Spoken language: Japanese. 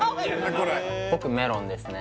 これ僕メロンですね